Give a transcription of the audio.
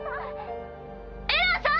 エランさん！